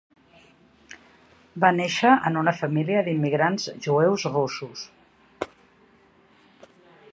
Va néixer en una família d'immigrants jueus russos.